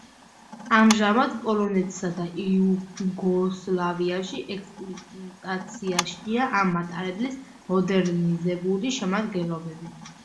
ამჟამად პოლონეთსა და იუგოსლავიაში ექსპლუატაციაშია ამ მატარებლის მოდერნიზებული შემადგენლობები.